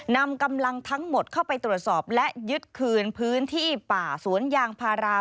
นำกำลังทั้งหมดเข้าไปตรวจสอบและยึดคืนพื้นที่ป่าสวนยางพารา